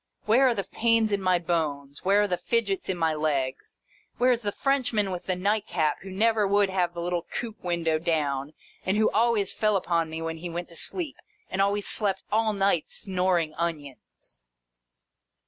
Where are the pains in my bones, where are the fidgets in my legs, where is the Frenchman with the nightcap who never would have the little coupe window down, and who always fell upon me when he went to sleep, and always slept all night snoring onions